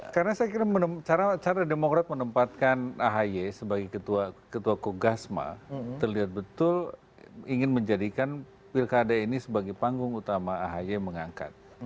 karena saya kira cara demokrat menempatkan ahy sebagai ketua kogasma terlihat betul ingin menjadikan pilkada ini sebagai panggung utama ahy mengangkat